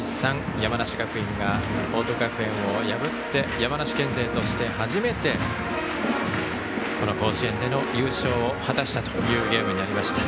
山梨学院が報徳学園を破って山梨県勢として初めてこの甲子園での優勝を果たしたというゲームになりました。